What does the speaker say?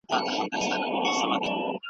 فابریکې څنګه د تولید معیارونه لوړوي؟